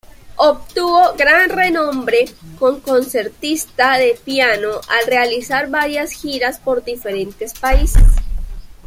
Obtuvo gran renombre como concertista de piano al realizar varias giras por diferentes países.